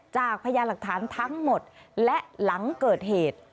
พญาหลักฐานทั้งหมดและหลังเกิดเหตุ